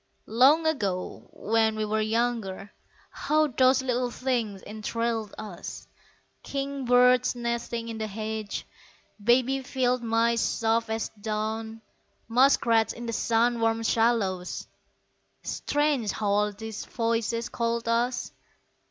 Long ago, when we were younger, How those little things enthralled us; King birds nesting in the hedges, Baby field mice soft as down, Muskrats in the sun warmed shallows Strange how all these voices called us!